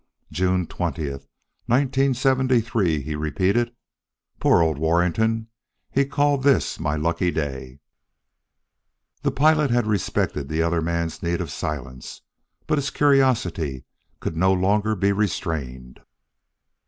"June twentieth, nineteen seventy three," he repeated. "Poor old Warrington! He called this my lucky day!" The pilot had respected the other man's need of silence, but his curiosity could not be longer restrained.